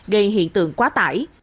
gây hiện tượng quá tải